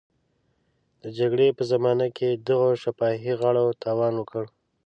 د جګړې په زمانه کې دغو شفاهي غاړو تاوان وکړ.